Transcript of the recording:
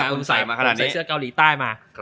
ผมใส่เสื้อเกาหลีใต้มา